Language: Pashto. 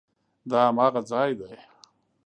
دا هماغه ځای دی؟